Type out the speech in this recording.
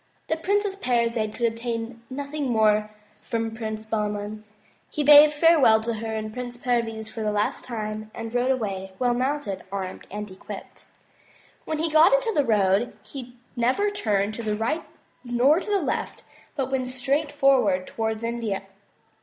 The Princess Parizade could obtain nothing more from Prince Bahman. He bade farewell to her and Prince Perviz for the last time, and rode away, well mounted, armed and equipped. When he got into the road, he never turned to the right nor to the left but went straight forward towards India.